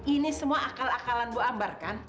ini semua akal akalan bu ambar kan